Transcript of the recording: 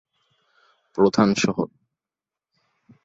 প্রধান শহর।